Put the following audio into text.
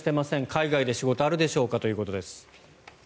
海外で仕事あるでしょうかということです。